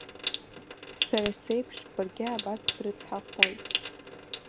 Сара сеиԥш баргьы абас брыцҳахоит.